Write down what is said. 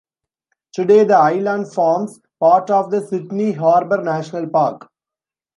Today the island forms part of the Sydney Harbour National Park.